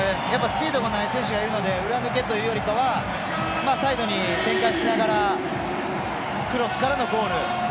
スピードがない選手がいるので裏抜けというよりかはサイドに展開しながらクロスからのゴール。